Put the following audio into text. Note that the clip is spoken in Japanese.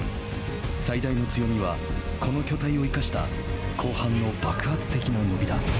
最大の強みはこの巨体を生かした後半の爆発的な伸びだ。